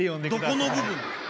どこの部分？